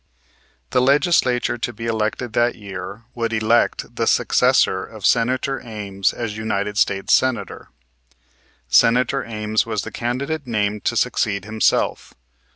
The legislature to be elected that year would elect the successor of Senator Ames as United States Senator. Senator Ames was the candidate named to succeed himself.